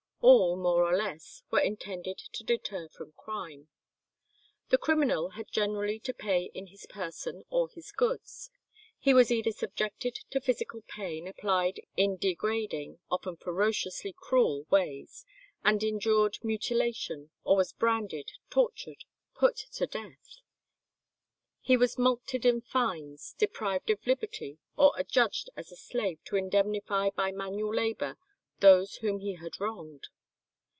All, more or less, were intended to deter from crime. The criminal had generally to pay in his person or his goods. He was either subjected to physical pain applied in degrading, often ferociously cruel ways, and endured mutilation, or was branded, tortured, put to death; he was mulcted in fines, deprived of liberty, or adjudged as a slave to indemnify by manual labour those whom he had wronged.